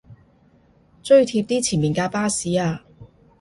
追貼啲前面架巴士吖